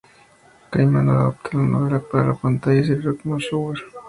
Gaiman adaptará la novela para la pantalla y servirá como showrunner.